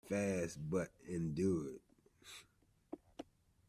Fast, but endure.